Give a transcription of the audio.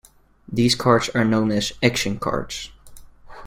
These cards are known as "Action Cards".